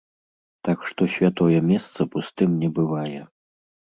Так што святое месца пустым не бывае.